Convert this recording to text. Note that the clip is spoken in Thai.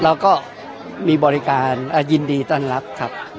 เราก็มีบริการยินดีต้อนรับครับ